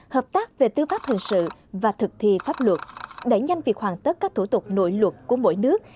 hợp tác về tư pháp hình sự và thực thi pháp luật đẩy nhanh việc hoàn tất các thủ tục nội luật của mỗi nước